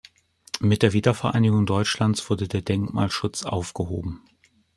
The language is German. Mit der Wiedervereinigung Deutschlands wurde der Denkmalschutz aufgehoben.